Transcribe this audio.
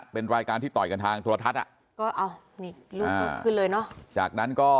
เป็นรายการที่ต่อยกันทางโทษลทัศน์